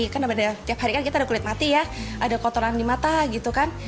karena pada tiap hari kita ada kulit mati ya ada kotoran di mata gitu kan